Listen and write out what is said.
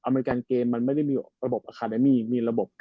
อืมใช่